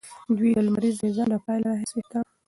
دوی د لمریز نظام له پیل راهیسې شته.